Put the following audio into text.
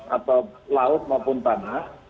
atau laut maupun tanah